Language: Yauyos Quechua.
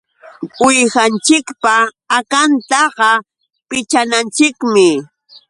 Uwihanchikpa akantaqa pichananchikmi.